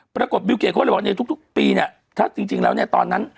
ปรากฏบิวเกจเขาเลยบอกว่าเนี้ยทุกทุกปีเนี้ยถ้าจริงจริงแล้วเนี้ยตอนนั้น